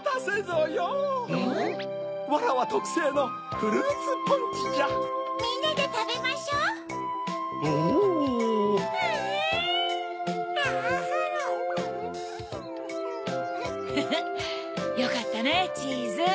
フフっよかったねチーズ。